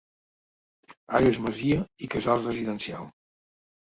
Ara és masia i casal residencial.